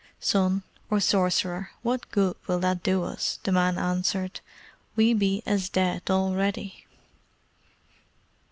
"Son or sorcerer, what good will that do us?" the man answered. "We be as dead already."